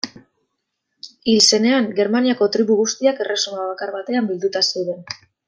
Hil zenean, Germaniako tribu guztiak erresuma bakar batean bilduta zeuden.